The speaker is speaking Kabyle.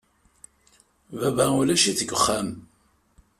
Baba ulac-it deg uxxam.